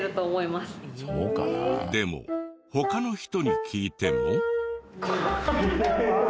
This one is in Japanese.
でも他の人に聞いても。